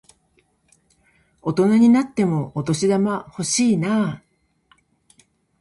大人になってもお年玉欲しいなぁ。